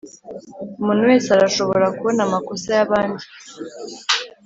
umuntu wese arashobora kubona amakosa yabandi.